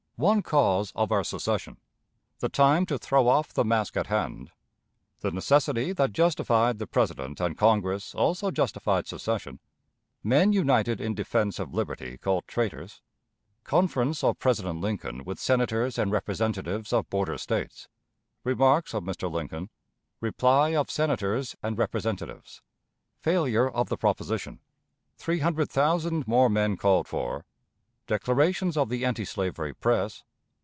One Cause of our Secession. The Time to throw off the Mask at Hand. The Necessity that justified the President and Congress also justified Secession. Men united in Defense of Liberty called Traitors. Conference of President Lincoln with Senators and Representatives of Border States. Remarks of Mr. Lincoln. Reply of Senators and Representatives. Failure of the Proposition. Three Hundred Thousand more Men called for. Declarations of the Antislavery Press.